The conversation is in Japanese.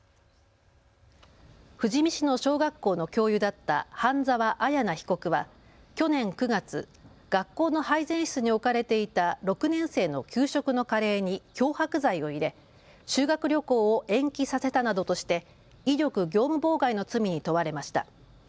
富士見市の小学校の教諭だった半澤彩奈被告は去年９月、学校の配膳室に置かれていた６年生の給食のカレーに漂白剤を入れ修学旅行を延期させたなどとして威力業務妨害の罪に問われました。